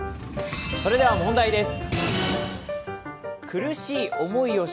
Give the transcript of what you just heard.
それでは、問題です。